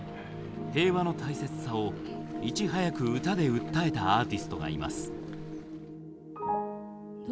平和の大切さをいち早く歌で訴えたアーティストがいます。